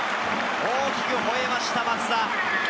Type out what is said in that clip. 大きく吠えました、松田。